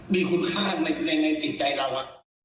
มีคุณค่าในจิตใจเรา